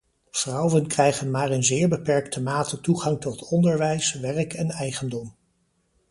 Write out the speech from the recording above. Vrouwen krijgen maar in zeer beperkte mate toegang tot onderwijs, werk en eigendom.